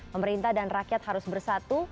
pemerintah dan rakyat harus bersatu